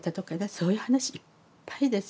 そういう話いっぱいですよ。